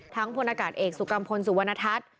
ทั้งพอสุกรัมพลสุวรรณทัศน์